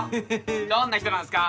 どんな人なんすか？